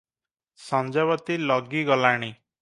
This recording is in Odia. ସଞ୍ଜବତୀ ଲଗି ଗଲାଣି ।